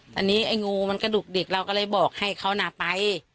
ตอนนี้ไอ้งูมันกระดุกดิกเราก็เลยบอกให้เขาน่ะไป